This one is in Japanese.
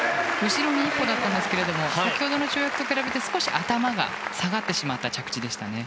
後ろに１歩でしたが先ほどの跳躍と比べて少し頭が下がってしまった着地でしたね。